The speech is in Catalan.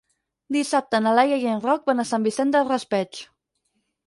Dissabte na Laia i en Roc van a Sant Vicent del Raspeig.